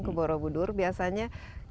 ke borobudur biasanya